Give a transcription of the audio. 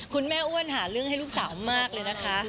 อ้วนหาเรื่องให้ลูกสาวมากเลยนะคะ